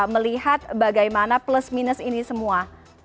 melihat bagaimana plus minus ini semua